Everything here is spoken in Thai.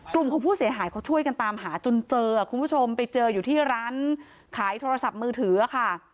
กลุ่มของผู้เสียหายเขาช่วยกันตามหาจนเจอคุณผู้ชมไปเจออยู่ที่ร้านขายโทรศัพท์มือถือค่ะ